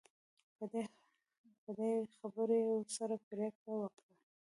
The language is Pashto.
په دې خبره یې ورسره پرېکړه وکړه.